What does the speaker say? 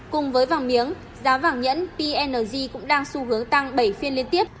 cùng với vàng miếng giá vàng nhẫn p g cũng đang xu hướng tăng bảy phiên liên tiếp